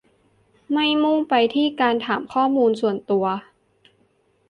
ไม่มุ่งไปที่การถามข้อมูลส่วนตัว